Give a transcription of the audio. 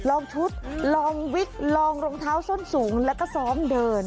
ชุดลองวิกลองรองเท้าส้นสูงแล้วก็ซ้อมเดิน